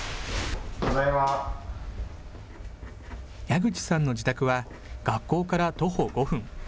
矢口さんの自宅は、学校から徒歩５分。